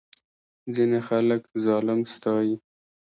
ځینې خلک ظالم ستایي.